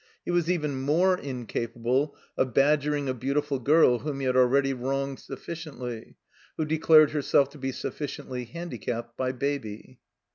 He was even more incapable of badgering a beautiftil girl whom he had already wronged sufficiently, who declared herself to be sufficiently handicapped by Baby.